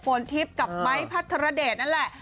โฟนทิพย์กับบ๊ายพัฒนธรเดชนั่นแหละ